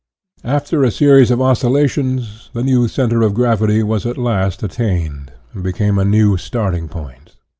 After a series of oscillations, the new center of gravity was at last attained and became a new starting point.